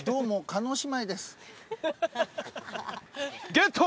ゲット。